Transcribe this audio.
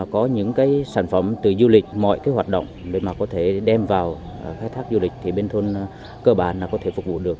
có những cái sản phẩm từ du lịch mọi cái hoạt động để mà có thể đem vào khai thác du lịch thì bên thôn cơ bản là có thể phục vụ được